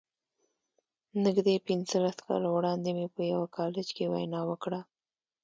نږدې پينځلس کاله وړاندې مې په يوه کالج کې وينا وکړه.